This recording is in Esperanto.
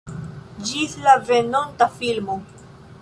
Ĝis la venonta filmo